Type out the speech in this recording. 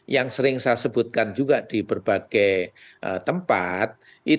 yang sering saya sebutkan juga di berbagai tempat